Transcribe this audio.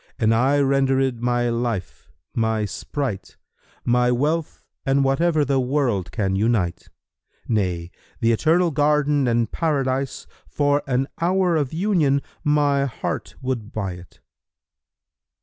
an I rendered my life, my sprite, * My wealth and whatever the world can unite; Nay, th' Eternal Garden and Paradise[FN#311] * For an hour of Union my heart would buy't!"